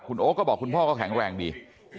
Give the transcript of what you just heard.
โอ๊คก็บอกคุณพ่อก็แข็งแรงดี